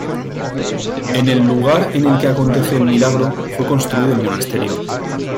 En el lugar en el que aconteció el milagro fue construido el monasterio.